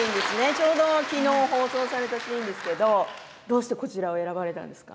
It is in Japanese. ちょうどきのう放送されたシーンですけどどうしてこちらを選ばれたんですか？